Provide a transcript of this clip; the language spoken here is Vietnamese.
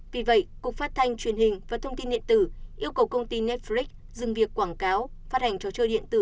vì vậy cục phát thanh truyền hình và thông tin điện tử yêu cầu công ty netflix dừng việc quảng cáo phát hành trò chơi điện tử